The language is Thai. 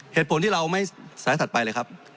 เหตุผลที่เราไม่สไลด์ถัดไปเลยครับ